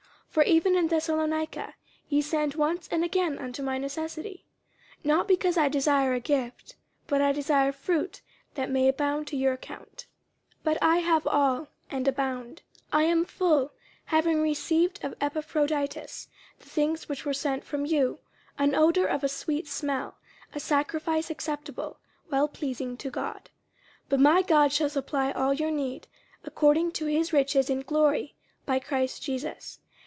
50:004:016 For even in Thessalonica ye sent once and again unto my necessity. 50:004:017 Not because I desire a gift: but I desire fruit that may abound to your account. 50:004:018 But I have all, and abound: I am full, having received of Epaphroditus the things which were sent from you, an odour of a sweet smell, a sacrifice acceptable, wellpleasing to God. 50:004:019 But my God shall supply all your need according to his riches in glory by Christ Jesus.